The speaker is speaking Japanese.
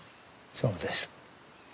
そうです。